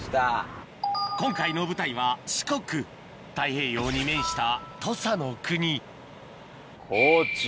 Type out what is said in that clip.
今回の舞台は四国太平洋に面した土佐の国高知。